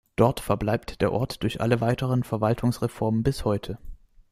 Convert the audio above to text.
Dort verbleibt der Ort durch alle weiteren Verwaltungsreformen bis heute.